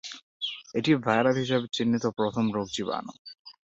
এটি ভাইরাস হিসাবে চিহ্নিত প্রথম রোগজীবাণু।